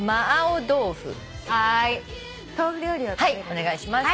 お願いします。